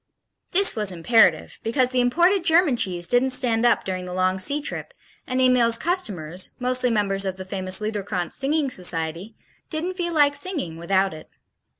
This was imperative because the imported German cheese didn't stand up during the long sea trip and Emil's customers, mostly members of the famous Liederkranz singing society, didn't feel like singing without it.